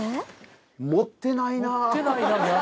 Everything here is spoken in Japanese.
持ってないな。